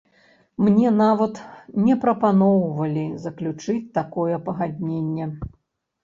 Мне нават не прапаноўвалі заключыць такое пагадненне.